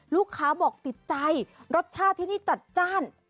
ลูกค้าบอกติดใจรสชาติที่นี่จัดจ้าน